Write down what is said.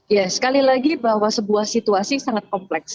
ya sekali lagi bahwa sebuah situasi sangat kompleks